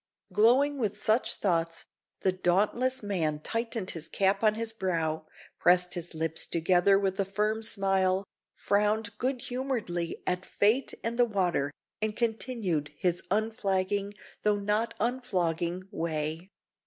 Glowing with such thoughts, the dauntless man tightened his cap on his brow, pressed his lips together with a firm smile, frowned good humouredly at fate and the water, and continued his unflagging, though not unflogging, way.